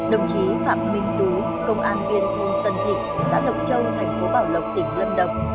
đồng chí phạm minh tú công an viên thôn tân thịnh xã lộc châu thành phố bảo lộc tỉnh lâm đồng